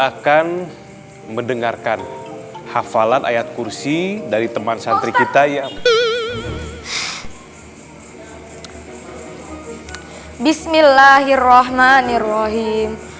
akan mendengarkan hafalan ayat kursi dari teman santri kita yang bismillahirrahim